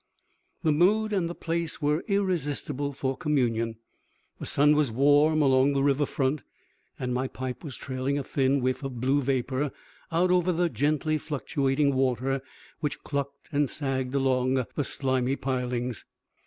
The mood and the place were irresistible for communion. The sun was warm along the river front and my pipe was trailing a thin whiff of blue vapor out over the gently fluctuating water, which clucked and sagged along the slimy pilings.